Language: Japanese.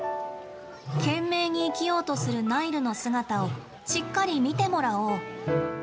懸命に生きようとするナイルの姿をしっかり見てもらおう。